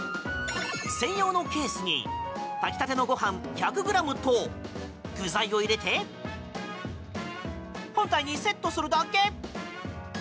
専用のケースに炊きたてのご飯１００ｇと具材を入れて本体にセットするだけ。